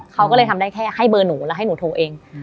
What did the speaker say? เขาก็เลยทำได้แค่ให้เบอร์หนูแล้วให้หนูโทรเอง